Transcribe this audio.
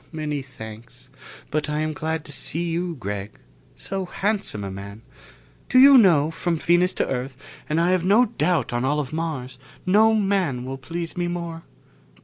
"Many thanks. But I am glad to see you, Gregg. So handsome a man. Do you know, from Venus to Earth, and I have no doubt on all of Mars, no man will please me more."